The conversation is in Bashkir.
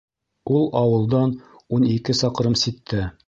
Ул ауылдан ун ике саҡрым ситтә.